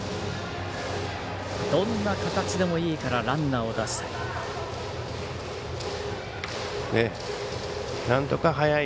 どんな形でもいいからランナーを出したい。